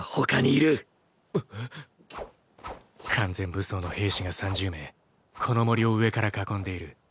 完全武装の兵士が３０名この森を上から囲んでいる。